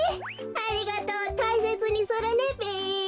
ありがとうたいせつにするねべ。